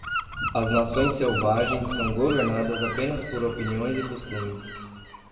As nações selvagens são governadas apenas por opiniões e costumes.